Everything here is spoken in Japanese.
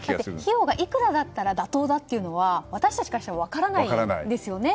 費用がいくらだったら妥当だっていうのは私たちからしたら分からないですよね。